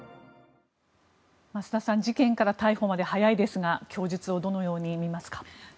増田さん事件から逮捕まで早いですが供述をどのように見ますか？